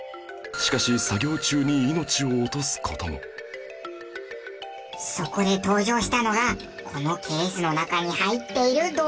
しかし作業中にそこで登場したのがこのケースの中に入っている動物。